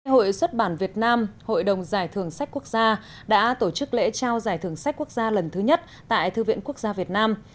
hội xuất bản việt nam hội đồng giải thưởng sách quốc gia đã tổ chức lễ trao giải thưởng sách quốc gia lần thứ nhất tại thư viện quốc gia việt nam